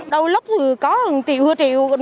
đầu lúc có một triệu hai triệu